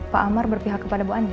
pak amar berpihak kepada bu andi